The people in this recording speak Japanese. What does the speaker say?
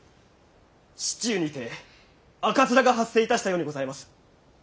市中にて赤面が発生いたしたようにございます。